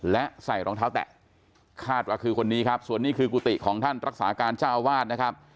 และใส่รองเท้าแตะคาดว่าคือคนนี้ครับส่วนนี้คือกุฏิของท่านรักษาการเจ้าอาวาสนะครับ